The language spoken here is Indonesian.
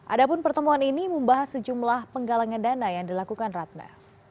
adapun pertemuan ini membahas sejumlah penggalangan dana yang dilakukan ratna